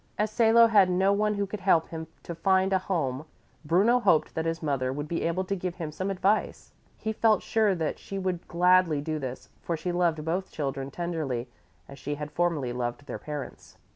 As Salo had no one who could help him to find a home, Bruno hoped that his mother would be able to give him some advice. He felt sure that she would gladly do this, for she loved both children tenderly, as she had formerly loved their parents.